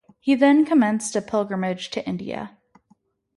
He then commenced a pilgrimage to India.